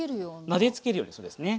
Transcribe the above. なでつけるようにそうですね。